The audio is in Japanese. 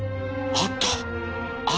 あったぞ！